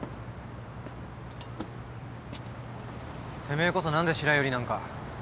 てめえこそ何で白百合なんか。